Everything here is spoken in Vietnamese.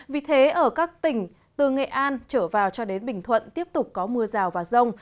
vì thế ở các tỉnh từ nghệ an trở vào cho đến bình thuận tiếp tục có mưa rào và rông